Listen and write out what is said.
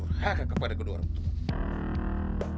hehehe kepada kedua orang itu